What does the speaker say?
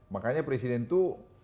makanya presiden itu